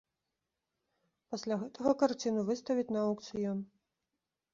Пасля гэтага карціну выставяць на аўкцыён.